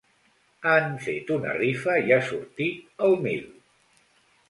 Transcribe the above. Han fet una rifa i ha sortit el mil.